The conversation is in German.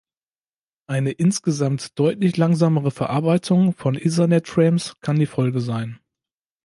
Eine insgesamt deutlich langsamere Verarbeitung von Ethernet-Frames kann die Folge sein.